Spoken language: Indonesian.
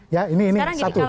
ya ini satu